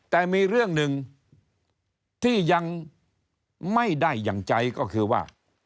แต่มีเรื่องหนึ่งที่ยังไม่ได้อย่างใจก็คือว่า